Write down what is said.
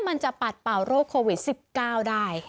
มันจะปัดเป่าโรคโควิด๑๙ได้